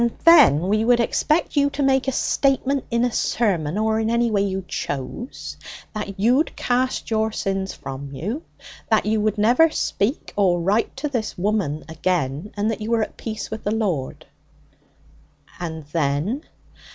'Then we would expect you to make a statement in a sermon, or in any way you chose, that you'd cast your sins from you, that you would never speak or write to this woman again, and that you were at peace with the Lord.' 'And then?'